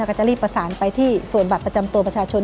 ก็จะรีบประสานไปที่ส่วนบัตรประจำตัวประชาชน